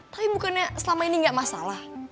tapi bukannya selama ini gak masalah